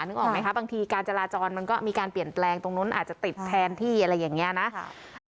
นึกออกไหมคะบางทีการจราจรมันก็มีการเปลี่ยนแปลงตรงนู้นอาจจะติดแทนที่อะไรอย่างนี้นะ